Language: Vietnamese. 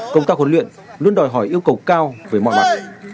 công tác huấn luyện luôn đòi hỏi yêu cầu cao về mọi mặt